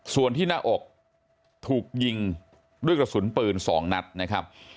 ส่วนที่หน้าอกถูกยิงด้วยกระสุนปืน๒นัดนะครับ